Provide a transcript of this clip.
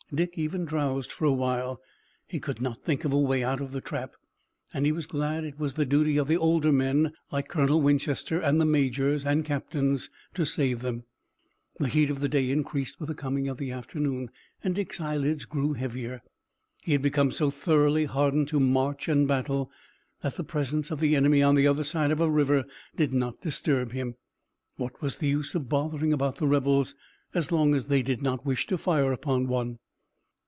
Dick even drowsed for a while. He could not think of a way out of the trap, and he was glad it was the duty of older men like Colonel Winchester and the majors and captains to save them. The heat of the day increased with the coming of afternoon, and Dick's eyelids grew heavier. He had become so thoroughly hardened to march and battle that the presence of the enemy on the other side of a river did not disturb him. What was the use of bothering about the rebels as long as they did not wish to fire upon one?